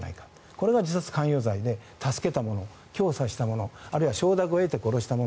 これが自殺関与罪で助けた者、教唆した者あるいは承諾を得て殺した者